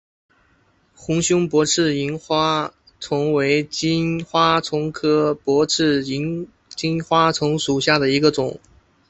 红胸薄翅萤金花虫为金花虫科薄翅萤金花虫属下的一个种。